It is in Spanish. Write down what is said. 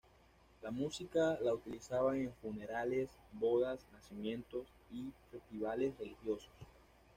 La música la utilizaban en funerales, bodas, nacimientos y festivales religiosos.